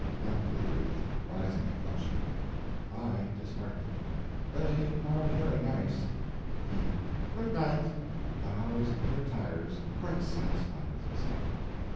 (blandly, with rising inflection.) I. (disheartened). They are very nice. He. Good night. (Bows, and retires, quite satisfied with himself.)